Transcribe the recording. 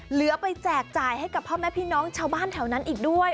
เหลือไปแจกจ่ายให้กับพ่อแม่พี่น้องชาวบ้านแถวนั้นอีกด้วย